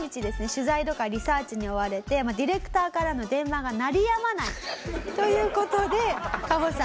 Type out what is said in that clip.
取材とかリサーチに追われてディレクターからの電話が鳴りやまない。という事でカホさん。